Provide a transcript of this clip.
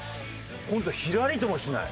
ホントヒラりともしない。